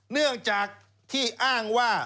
เนื่องจากที่อ้างว่า